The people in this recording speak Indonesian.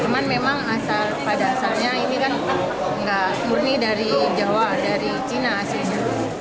cuman memang pada dasarnya ini kan nggak murni dari jawa dari cina aslinya